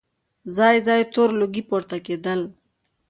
ځای ځای تور لوګي پورته کېدل.